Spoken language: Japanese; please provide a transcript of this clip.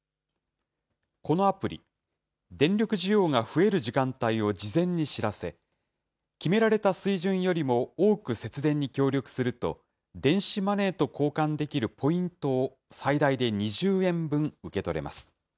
このアプリ、電力需要が増える時間帯を事前に知らせ、決められた水準よりも多く節電に協力すると、電子マネーと交換できるポイントを最大で２０円分受け取れます。